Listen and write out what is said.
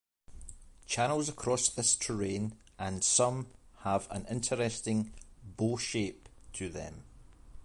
Channels cross this terrain and some have an interesting bow shape to them.